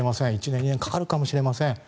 １年、２年かかるかもしれません。